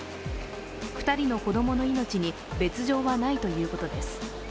２人の子供の命に別状はないということです。